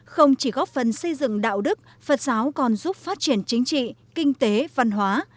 không chỉ góp phần xây dựng đạo đức phật giáo còn giúp phát triển chính trị kinh tế văn hóa